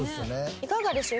いかがでしょう？